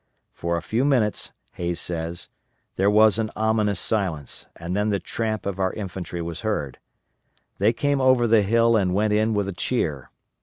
For a few minutes, Hays says, there was an ominous silence and then the tramp of our infantry was heard. They came over the hill and went in with a cheer.